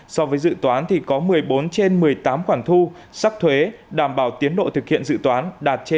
so với dự toán thì có một mươi bốn trên một mươi tám khoản thu sắc thuế đảm bảo tiến độ thực hiện dự toán đạt trên chín mươi